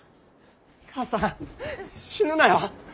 母さん死ぬなよ。